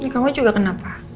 kamu juga kenapa